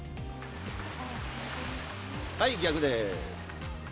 はい、逆でーす。